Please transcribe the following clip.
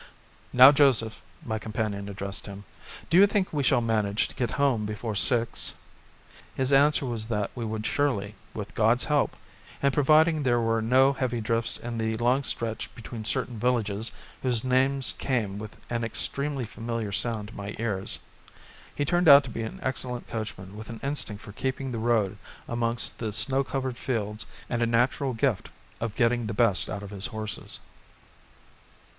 "Now, Joseph," my companion addressed him, "do you think we shall manage to get home before six?" His answer was that we would surely, with God's help, and providing there were no heavy drifts in the long stretch between certain villages whose names came with an extremely familiar sound to my ears. He turned out an excellent coachman with an instinct for keeping the road amongst the snow covered fields and a natural gift of getting the best out of his horses.